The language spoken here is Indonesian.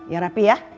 ya rapi ya